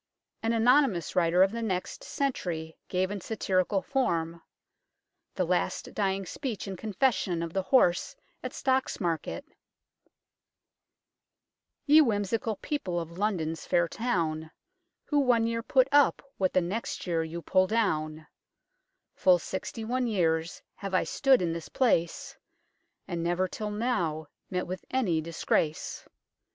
An anonymous writer of the next century gave in satirical form " The Last Dying Speech and Confession of the Horse at Stocks Market "" Ye whimsical people of London's fair town, Who one year put up what the next year you pull down ; Full sixty one years have I stood in this place, And never till now met with any disgrace.